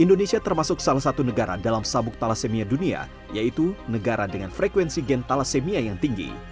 indonesia termasuk salah satu negara dalam sabuk thalassemia dunia yaitu negara dengan frekuensi gen thalassemia yang tinggi